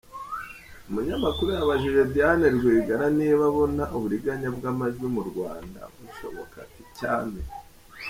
Umunyamakuru yabajije Diane Rwigara niba abona uburiganya bw’ amajwi mu Rwanda bushoba ati “cyane”.